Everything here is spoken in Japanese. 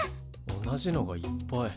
同じのがいっぱい。